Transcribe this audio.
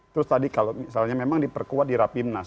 terus tadi kalau misalnya memang diperkuat di rapimnas